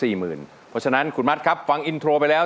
เพราะฉะนั้นคุณมัดครับฟังอินโทรไปแล้ว